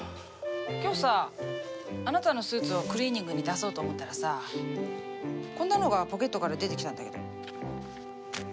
今日さあなたのスーツをクリーニングに出そうと思ったらさこんなのがポケットから出てきたんだけど。